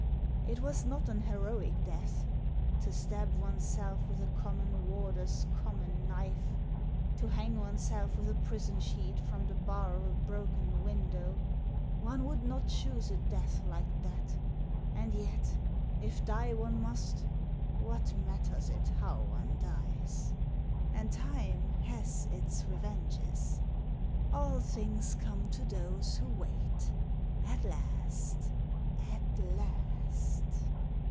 It was not an heroic death — to stab oneself with a common warder's common knife, to hang oneself with a prison sheet from the bar of a broken window. One would not choose a death like that And yet, if die one must, what matters it how one dies ? And time has G Digitized by VjOOQIC 82 THE SEEN AND THE UNSEEN its revenges! All things come to those who wait — at last! at last!